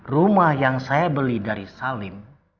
rumah yang saya beli dari salim